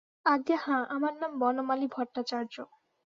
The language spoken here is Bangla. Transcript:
আজ্ঞে হাঁ, আমার নাম বনমালী ভট্টাচার্য।